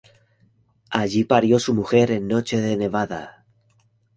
Allí parió su mujer en noche de nevada.